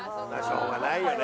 しょうがないよね。